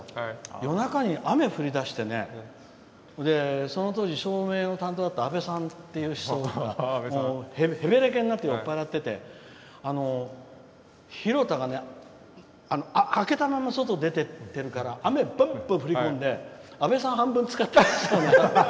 夜中に雨降りだしてねその当時、照明の担当だったあべさんっていう人がへべれけになって酔っ払っててひろたが開けたまま外に出ていってて雨、ばんばん振り込んであべさん、半分つかっちゃって。